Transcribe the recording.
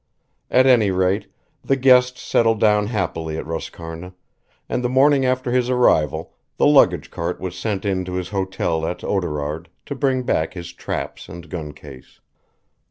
At any rate, the guest settled down happily at Roscarna, and the morning after his arrival the luggage cart was sent in to his hotel at Oughterard to bring back his traps and gun case.